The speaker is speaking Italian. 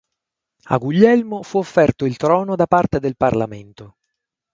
A Guglielmo fu offerto il trono da parte del Parlamento.